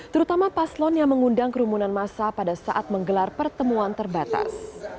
terutama paslon yang mengundang kerumunan masa pada saat menggelar pertemuan terbatas